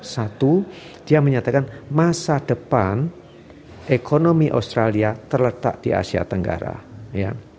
satu dia menyatakan masa depan ekonomi australia terletak di asia tenggara ya